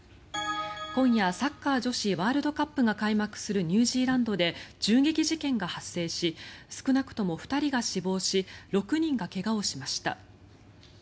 今夜、サッカー女子ワールドカップが開幕するニュージーランドで銃撃事件が発生し少なくとも２人が死亡し６人が怪我をしました。